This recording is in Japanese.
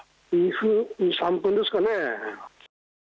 ２３分ですかね。